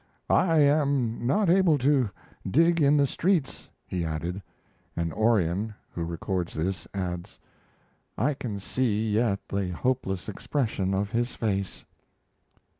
"I am not able to dig in the streets," he added, and Orion, who records this, adds: "I can see yet the hopeless expression of his face."